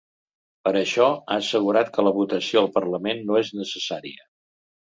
Per això ha assegurat que la votació al parlament no és necessària.